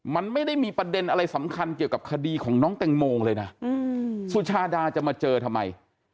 มันไม่ได้มีประเด็นอะไรสำคัญเกี่ยวกับคดีของน้องแตงโมเลยนะสุชาดาจะมาเจอทำไม